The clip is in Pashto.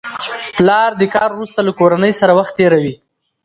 پلر د کار وروسته له کورنۍ سره وخت تېروي